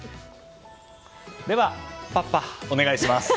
では、パパお願いします。